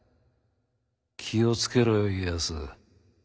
気を付けろよ家康。